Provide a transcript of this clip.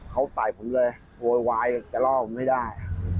เขาตายผมเลยโวลยวายอยู่จะเล่าผมไม่ได้